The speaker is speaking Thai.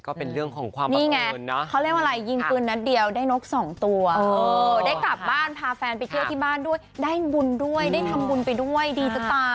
ก็เป็นเจ้าหวานได้กลับบ้านพอดี